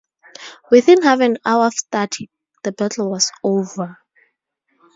Within half an hour of starting, the battle was over.